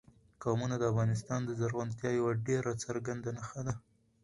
قومونه د افغانستان د زرغونتیا یوه ډېره څرګنده نښه ده.